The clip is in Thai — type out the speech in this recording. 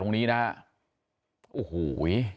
วันนี้เราจะมาเมื่อไหร่